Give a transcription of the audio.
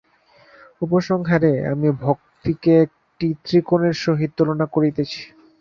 উপসংহারে আমি ভক্তিকে একটি ত্রিকোণের সহিত তুলনা করিতেছি।